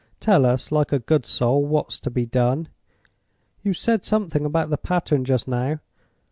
Tell us, like a good soul, what's to be done. You said something about the pattern just now.